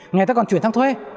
người ta còn chuyển sang thuê